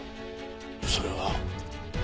それは。